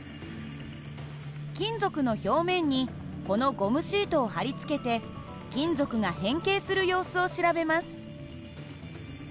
金属の表面にこのゴムシートを貼り付けて金属が変形する様子を調べます。